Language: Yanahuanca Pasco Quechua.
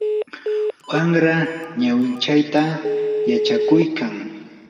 wamra ñawinchayta yachakuykan.